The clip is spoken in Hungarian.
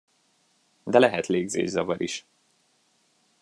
De lehet légzészavar is.